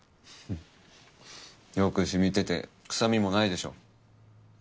よく染みてて臭みもないでしょ？